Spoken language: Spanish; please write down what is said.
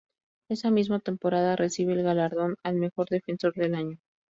Esa misma temporada recibe el galardón al mejor defensor del año.